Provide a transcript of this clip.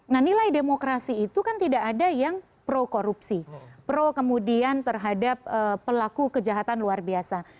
nah nilai demokrasi itu kan tidak ada yang pro korupsi pro kemudian terhadap pelaku kejahatan luar biasa